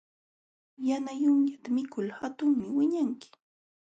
Yana yunyata mikul hatunmi wiñanki.